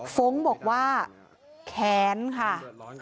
ฟ้องบอกว่าแค้นค่ะ